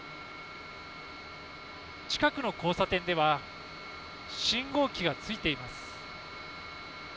近くの交差点では信号機がついています。